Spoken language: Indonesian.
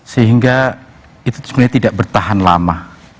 sehingga itu sebenarnya tidak bertahan lama